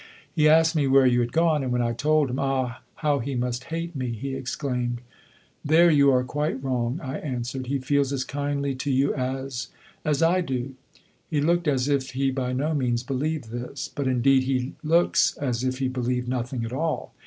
He asked me where you had gone, and when I told him 'Ah, how he must hate me!' he exclaimed. 'There you are quite wrong,' I answered. 'He feels as kindly to you as as I do.' He looked as if he by no means believed this; but, indeed, he looks as if he believed nothing at all.